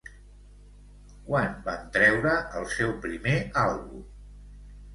Quan van treure el seu primer àlbum?